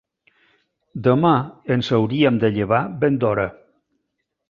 Demà ens hauríem de llevar ben d'hora.